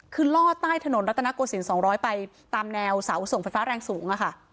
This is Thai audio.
คือล่อใต้ถนนรัตนโกศิลป๒๐๐ไปตามแนวเสาส่งไฟฟ้าแรงสูงค่ะ